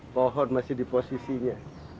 pohon masih di posisinya